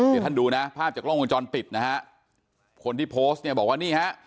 เดี๋ยวท่านดูนะภาพจากกล้องวงจรปิดนะฮะคนที่โพสต์เนี่ยบอกว่านี่ฮะ